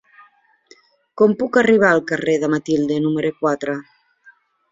Com puc arribar al carrer de Matilde número quatre?